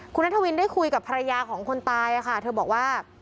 คุณนัทวินได้คุยกับภรรยาของคนตายค่ะเธอบอกว่า